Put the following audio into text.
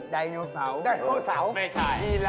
ไดโนเสาร์ไม่ใช่